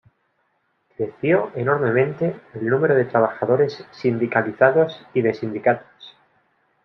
Creció enormemente el número de trabajadores sindicalizados y de sindicatos.